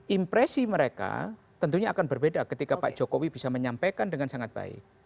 impresi mereka tentunya akan berbeda ketika pak jokowi bisa menyampaikan dengan sangat baik